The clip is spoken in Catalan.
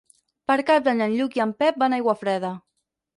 Per Cap d'Any en Lluc i en Pep van a Aiguafreda.